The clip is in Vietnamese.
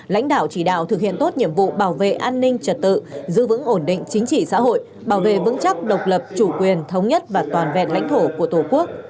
lãnh đạo chỉ đạo thực hiện tốt nhiệm vụ bảo vệ an ninh trật tự giữ vững ổn định chính trị xã hội bảo vệ vững chắc độc lập chủ quyền thống nhất và toàn vẹn lãnh thổ của tổ quốc